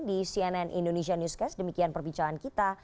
di cnn indonesia newscast demikian perbicaraan kita